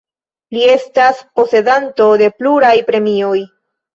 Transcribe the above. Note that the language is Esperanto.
Li estas posedanto de pluraj premioj.